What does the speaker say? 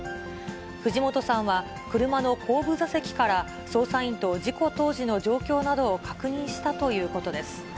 藤本さんは車の後部座席から捜査員と事故当時の状況などを確認したということです。